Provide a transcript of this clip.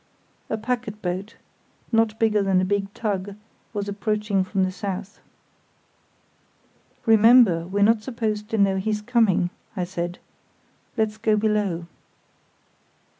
A packet boat, not bigger than a big tug, was approaching from the south. "Remember, we're not supposed to know he's coming," I said; "let's go below."